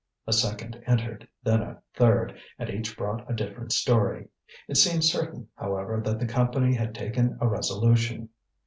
A second entered, then a third, and each brought a different story. It seemed certain, however, that the Company had taken a resolution.